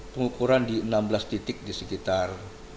pengukuran di enam belas titik di sekitar